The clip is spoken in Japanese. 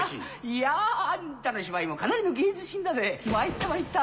⁉いやあんたの芝居もかなりの芸術品だぜ参った参った！